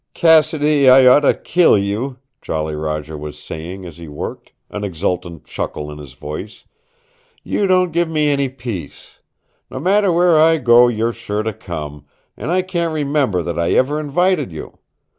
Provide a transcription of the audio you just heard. "Cassidy, I oughta kill you," Jolly Roger was saying as he worked, an exultant chuckle in his voice. "You don't give me any peace. No matter where I go you're sure to come, and I can't remember that I ever invited you.